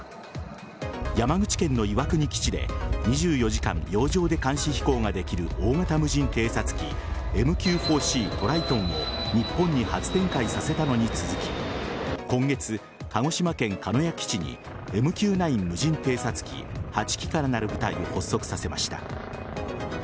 山口県の岩国基地で２４時間洋上で監視飛行ができる大型無人偵察機ＭＱ‐４Ｃトライトンを日本に初展開させたのに続き今月、鹿児島県鹿屋基地にＭＱ‐９無人偵察機８機からなる部隊を発足させました。